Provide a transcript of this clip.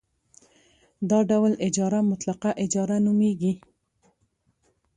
دا ډول اجاره مطلقه اجاره نومېږي